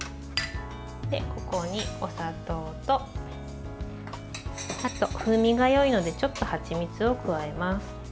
ここにお砂糖と、風味がよいのでちょっと、はちみつを加えます。